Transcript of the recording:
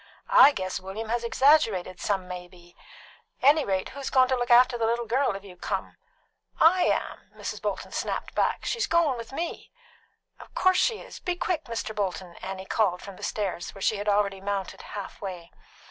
"I guess William has exaggerated some may be. Anyrate, who's goin' to look after the little girl if you come?" "I am," Mrs. Bolton snapped back. "She's goin' with me." "Of course she is. Be quick, Mr. Bolton!" Annie called from the stairs, which she had already mounted half way.